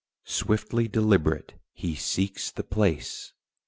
Swiftly deliberate, he seeks the place.